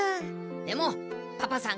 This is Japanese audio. でもパパさん